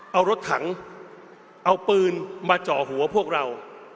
เอารถถังเอาปืนมาจ่อหัวพวกเรา